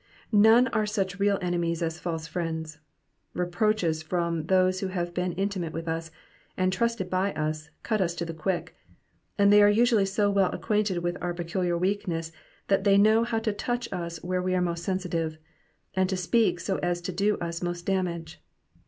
None are such real enemies as false friends. Reproaches from those who have been intimate with us, and trusted by us, cut us to the quick ; and they are usually so well ac quainted with our peculiar weaknesses that they know how to touch us where we are most sensitive, and to speak so as to do us most damage.